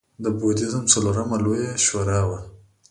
د بودیزم څلورمه لویه شورا وه